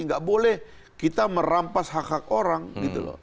nggak boleh kita merampas hak hak orang gitu loh